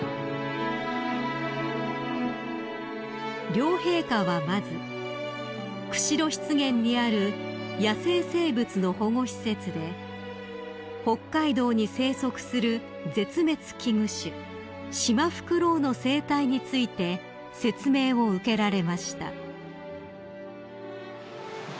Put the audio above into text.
［両陛下はまず釧路湿原にある野生生物の保護施設で北海道に生息する絶滅危惧種シマフクロウの生態について説明を受けられました］